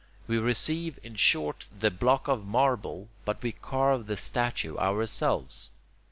We receive in short the block of marble, but we carve the statue ourselves.